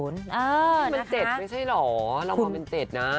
นี่มัน๗ไม่ใช่เหรอเรามองเป็น๗นะ